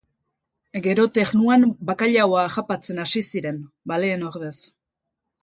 Gero, Ternuan bakailaoa harrapatzen hasi ziren, baleen ordez.